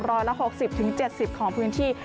ร้อยละ๖๐๗๐ของพื้นที่